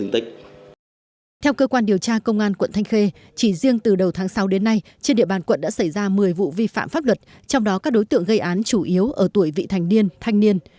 theo cơ quan điều tra công an quận thanh khê chỉ riêng từ đầu tháng sáu đến nay trên địa bàn quận đã xảy ra một mươi vụ vi phạm pháp luật trong đó các đối tượng gây án chủ yếu ở tuổi vị thành niên thanh niên